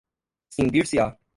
cindir-se-á